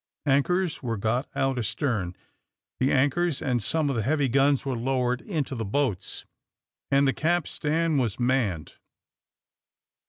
Anchors were got out astern, the anchors and some of the heavy guns were lowered into the boats, and the capstan was manned.